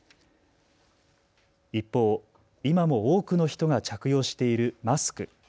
一方、今も多くの人が着用しているマスク。